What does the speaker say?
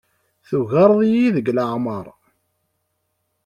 Tugareḍ-iyi deg leɛmeṛ.